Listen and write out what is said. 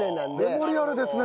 メモリアルですね。